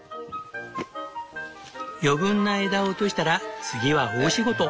余分な枝を落としたら次は大仕事。